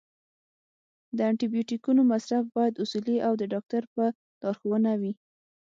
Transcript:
د انټي بیوټیکونو مصرف باید اصولي او د ډاکټر په لارښوونه وي.